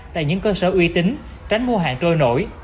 tại những cơ sở uy tín tránh mua hàng trôi nổi